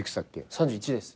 ３１です。